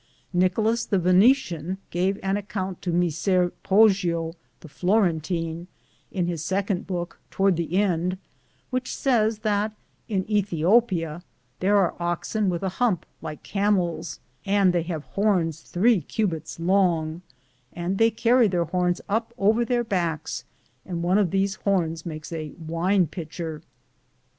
Nicholas, the Venetian, gave an account to Micer Pogio, the Florentine, in his second book, toward the end, which says that in Ethiopia there are oxen with a hump, like camels, and they have horns 3 cubits long, and they carry their horns up over their backs, and one of those horns makes a wine pitcher.